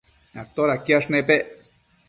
todaquiash nepec?